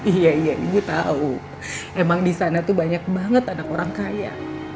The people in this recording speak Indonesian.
iya iya ibu tahu emang di sana tuh banyak banget anak orang kaya